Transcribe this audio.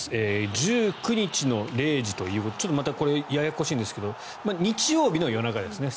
１９日の０時ということでこれ、ややこしいんですけど日曜日の夜中ですね。